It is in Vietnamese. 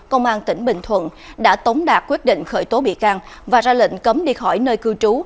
công an tỉnh bình thuận đã tống đạt quyết định khởi tố bị can và ra lệnh cấm đi khỏi nơi cư trú